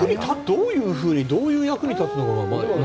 どういうふうにどう役に立つのかが。